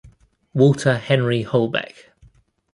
Walter Henry Holbech.